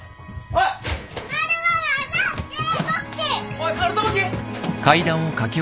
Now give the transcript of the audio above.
おい薫友樹。